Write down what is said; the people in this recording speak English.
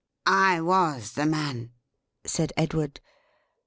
"I was the man," said Edward.